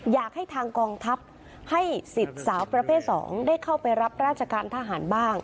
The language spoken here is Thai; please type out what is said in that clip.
อยากให้ทางกองทัพให้สิทธิ์สาวประเภท๒ได้เข้าไปรับราชการทหารบ้าง